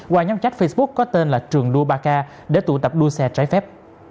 qua nhóm trách facebook có tên là trường đua ba k để tụ tập đua xe trái phép